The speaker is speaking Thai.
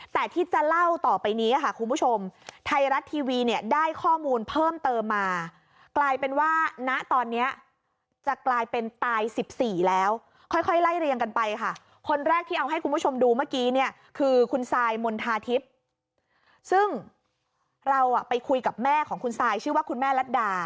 แต่ที่จะเล่าต่อไปนี้ค่ะคุณผู้ชมไทยรัฐทีวีเนี่ยได้ข้อมูลเพิ่มเติมมากลายเป็นว่าณตอนนี้จะกลายเป็นตาย๑๔แล้วค่อยไล่เรียงกันไปค่ะคนแรกที่เอาให้คุณผู้ชมดูเมื่อกี้เนี่ยคือคุณซายมณฑาทิพย์ซึ่งเราไปคุยกับแม่ของคุณซายชื่อว่าคุณแม่รัฐดา